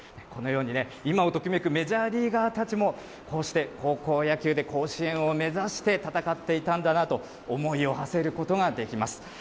このように今を時めくメジャーリーガーたちも、こうして高校野球で甲子園を目指して戦っていたんだなと、思いをはせることができます。